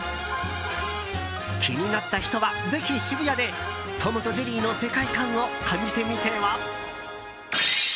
気になった人は、ぜひ渋谷で「トムとジェリー」の世界観を感じてみては？